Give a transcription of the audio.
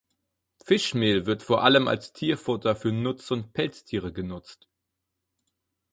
Fischmehl wird vor allem als Tierfutter für Nutz- und Pelztiere genutzt.